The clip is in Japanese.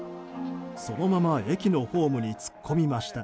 そのまま駅のホームに突っ込みました。